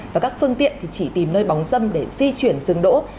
và các phương tiện thì chỉ tìm nơi bóng dâm để di chuyển dừng đỗ